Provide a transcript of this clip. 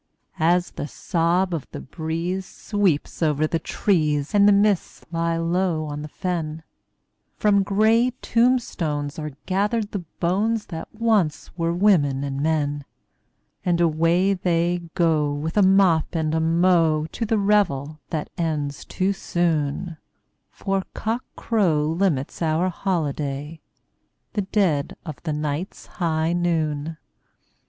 As the sob of the breeze sweeps over the trees, and the mists lie low on the fen, From grey tombstones are gathered the bones that once were women and men, And away they go, with a mop and a mow, to the revel that ends too soon, For cockcrow limits our holiday—the dead of the night's high noon!